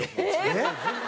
えっ？